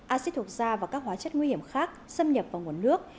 acid thuộc da và các hóa chất nguy hiểm khác xâm nhập vào nguồn nước